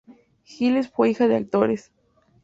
Hines fue hija de actores.